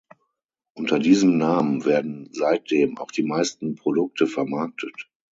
Unter diesem Namen werden seitdem auch die meisten Produkte vermarktet.